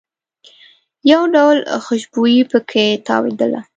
یو ډول خوشبويي په کې تاوېدله.